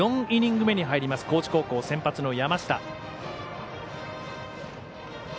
４イニング目に入ります高知高校先発の山下。